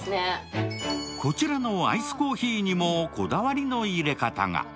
こちらのアイスコーヒーにもこだわりの入れ方が。